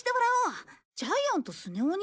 ジャイアンとスネ夫に？